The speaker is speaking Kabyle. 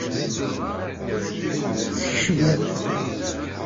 Skecber.